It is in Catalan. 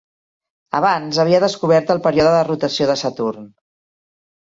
Abans havia descobert el període de rotació de Saturn.